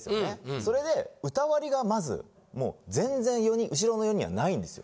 それで歌割りがまずもう全然４人後ろの４人はないんですよ。